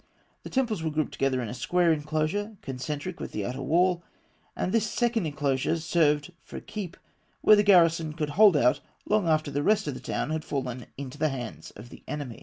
The temples were grouped together in a square enclosure, concentric with the outer wall; and this second enclosure served for a keep, where the garrison could hold out long after the rest of the town had fallen into the hands of the enemy.